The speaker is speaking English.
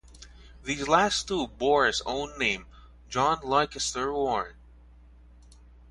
These last two bore his own name, John Leicester Warren.